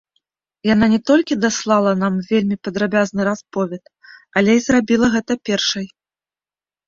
Яна не толькі даслала нам вельмі падрабязны расповед, але і зрабіла гэта першай.